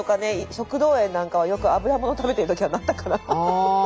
食道炎なんかはよく脂もの食べてる時はなったかな。